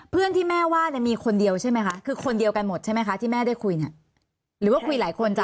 เพื่อนที่แม่ว่าเนี่ยมีคนเดียวใช่ไหมคะคือคนเดียวกันหมดใช่ไหมคะที่แม่ได้คุยเนี่ยหรือว่าคุยหลายคนจะ